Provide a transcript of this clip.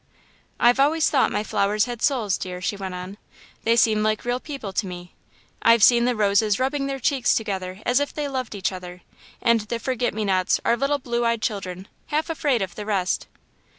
"I've always thought my flowers had souls, dear," she went on; "they seem like real people to me. I've seen the roses rubbing their cheeks together as if they loved each other, and the forget me nots are little blue eyed children, half afraid of the rest.